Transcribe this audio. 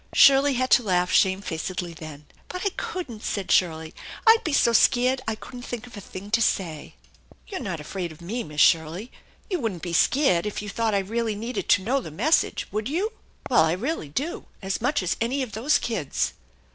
Shirley had to laugh shamefacedly then. "But I couldn't!" said Shirley. "I'd be so scared I couldn't think of a thing to say." "You're not afraid of me, Miss Shirley? You wouldn't be scared if you thought I really needed to know the message, would you ? Well, I really do, as much as any of those kids."